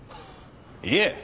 いえ。